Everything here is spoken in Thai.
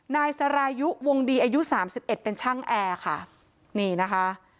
นายสระยุวงดีอายุ๓๑เป็นช่างแอร์ค่ะนี่นะคะ